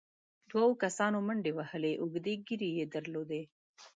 دوو کسانو منډې وهلې، اوږدې ږېرې يې درلودې،